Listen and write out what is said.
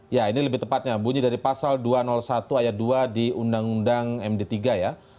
ya ini lebih tepatnya bunyi dari pasal dua ratus satu ayat dua di undang undang md tiga ya